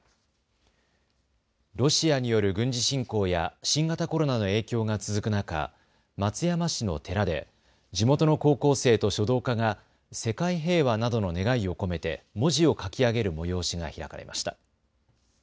ロシアによる軍事侵攻や新型コロナの影響が続く中、松山市の寺で地元の高校生と書道家が世界平和などの願いを込めて文字を書き上げる催しが開かれました。